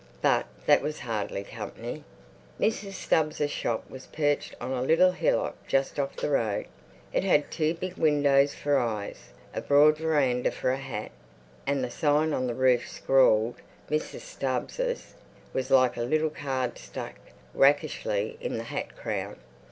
But that was hardly company. Mrs. Stubbs's shop was perched on a little hillock just off the road. It had two big windows for eyes, a broad veranda for a hat, and the sign on the roof, scrawled MRS. STUBBS'S, was like a little card stuck rakishly in the hat crown.